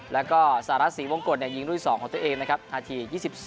แล้วก็สหรัฐศรีวงกฎยิงรุ่น๒ของตัวเองนะครับนาที๒๒